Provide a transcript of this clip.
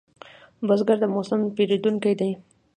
بزګر د موسمو پېژندونکی دی